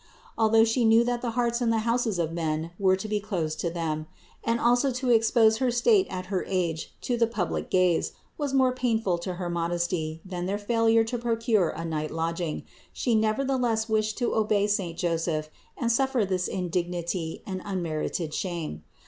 Al though She knew that the hearts and the houses of men were to be closed to them, and although to expose her state at her age to the public gaze was more painful to her modesty than their failure to procure a night lodging, She nevertheless wished to obey saint Joseph and suffer this indignity and unmerited shame.